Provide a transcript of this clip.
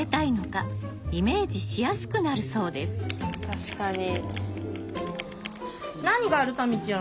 確かに。